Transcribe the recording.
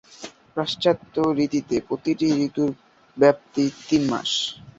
পাশ্চাত্য রীতিতে প্রতিটি ঋতুর ব্যাপ্তি তিন মাস।